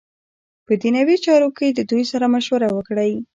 په دنیوی چارو کی ددوی سره مشوره وکړی .